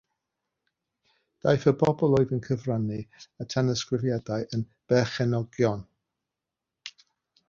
Daeth y bobl oedd yn cyfrannu â thanysgrifiadau yn berchenogion.